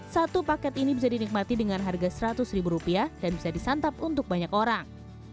satu paket ini bisa dinikmati dengan harga seratus ribu rupiah dan bisa disantap untuk banyak orang